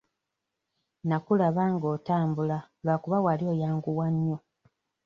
Nnakulaba nga otambula lwakuba wali oyanguwa nnyo.